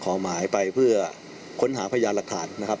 ขอหมายไปเพื่อค้นหาพยานหลักฐานนะครับ